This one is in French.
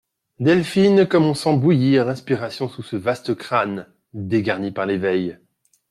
Delphine Comme on sent bouillir l'inspiration sous ce vaste crâne … dégarni par les veilles !